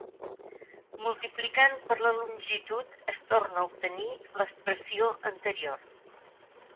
Multiplicant per la longitud es torna a obtenir l'expressió anterior.